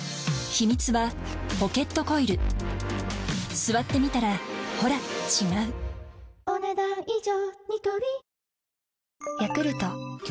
秘密はポケットコイル座ってみたらほら違うお、ねだん以上。